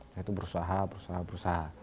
saya itu berusaha berusaha berusaha